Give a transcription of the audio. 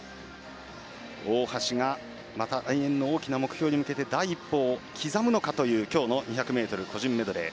大橋がまた来年のまた大きな目標に向けて第一歩を刻むのかという今日の２００ｍ個人メドレー。